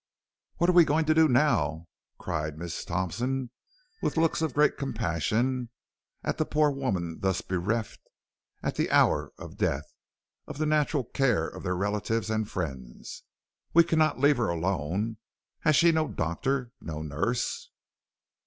"'What are we going to do?' now cried Miss Thompson, with looks of great compassion at the poor woman thus bereft, at the hour of death, of the natural care of relatives and friends. 'We cannot leave her here alone. Has she no doctor no nurse?'